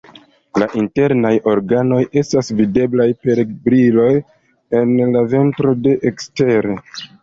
La internaj organoj estas videblaj per brilo en la ventro de ekstere.